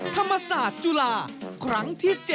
ธรรมศาสตร์จุฬาครั้งที่๗